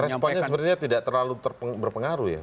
responnya sebenarnya tidak terlalu berpengaruh ya